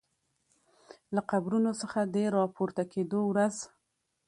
له قبرونو څخه د راپورته کیدو ورځ